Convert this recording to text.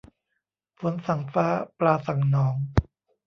ฝนสั่งฟ้า ปลาสั่งหนอง